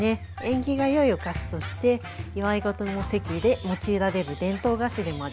縁起が良いお菓子として祝い事の席で用いられる伝統菓子でもあります。